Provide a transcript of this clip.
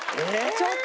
ちょっと！